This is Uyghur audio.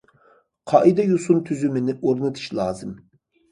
قائىدە- يوسۇن تۈزۈمىنى ئورنىتىش لازىم.